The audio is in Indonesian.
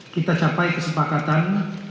kita capai kesepakatan